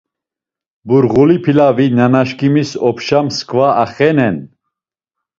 Burğuli pilavi nanaşkimis opşa mskva axenen.